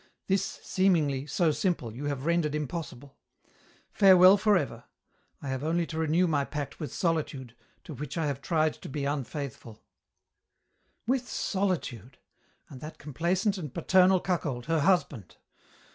This, seemingly, so simple, you have rendered impossible. Farewell forever. I have only to renew my pact with Solitude, to which I have tried to be unfaithful " "With solitude! and that complaisant and paternal cuckold, her husband!